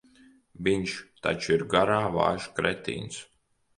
Viņš taču ir garā vājš kretīns.